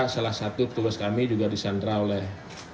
salah satu petugas kami juga disandra oleh